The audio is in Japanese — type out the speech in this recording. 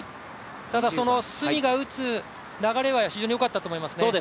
ただ、角が打つ流れは非常によかったと思いますね。